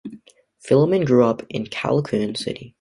Filemon grew up in Caloocan City.